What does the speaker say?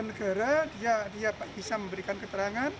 dan negara dia bisa memberikan keterangan